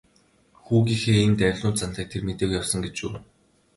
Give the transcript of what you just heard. Хүүгийнхээ ийм давилуун зантайг тэр мэдээгүй явсан гэж үү.